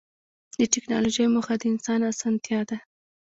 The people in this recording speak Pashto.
د ټکنالوجۍ موخه د انسان اسانتیا ده.